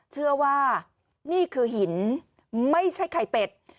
เชื่อว่านี่คือหินไม่ใช่ไข่เป็ด